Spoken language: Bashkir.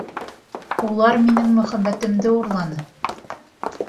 Улар минең мөхәббәтемде урланы!